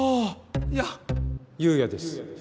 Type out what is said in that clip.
いや。悠也です。